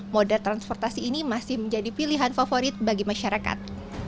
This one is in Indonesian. moda transportasi ini masih menjadi pilihan favorit bagi masyarakat